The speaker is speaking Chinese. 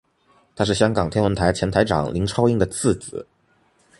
他是香港天文台前台长林超英的次子。